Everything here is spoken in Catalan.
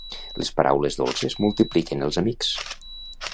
Les paraules dolces multipliquen els amics.